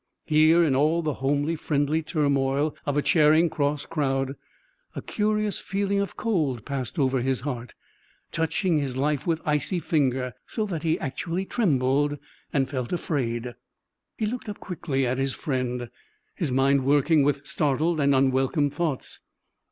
Here, in all the homely, friendly turmoil of a Charing Cross crowd, a curious feeling of cold passed over his heart, touching his life with icy finger, so that he actually trembled and felt afraid. He looked up quickly at his friend, his mind working with startled and unwelcome thoughts.